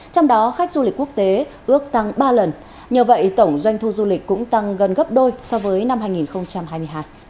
trong đó khách du lịch quốc tế ước tăng ba lần nhờ vậy tổng doanh thu du lịch cũng tăng gần gấp đôi so với năm hai nghìn hai mươi hai